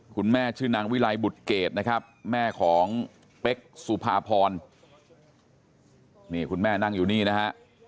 คุณแม่ชื่อนางวิลัยบุตรเกรดนะครับแม่ของเป๊กสุภาพรนี่คุณแม่นั่งอยู่นี่นะฮะ